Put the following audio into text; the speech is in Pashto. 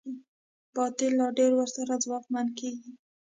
باطل لا ډېر ورسره ځواکمن کېږي.